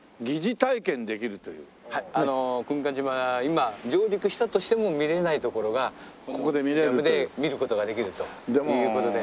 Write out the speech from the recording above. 今上陸したとしても見られない所がミュージアムで見る事ができるという事で。